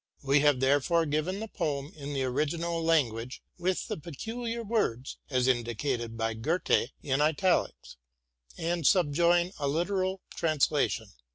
We have therefore given the poem in the original language, with the peculiar words (as indicated by Goethe) in Italics, and subjoin a literal translation.